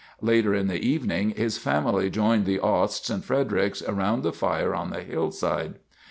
Later in the evening his family joined the Osts and Fredericks around the fire on the hillside.